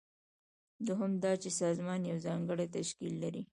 دوهم دا چې سازمان یو ځانګړی تشکیل لري.